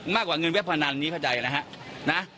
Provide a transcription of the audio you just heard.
มากกว่าเงินเว็บพนันนี้เข้าใจนะฮะ